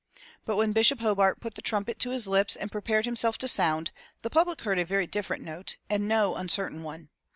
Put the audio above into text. But when Bishop Hobart put the trumpet to his lips and prepared himself to sound, the public heard a very different note, and no uncertain one.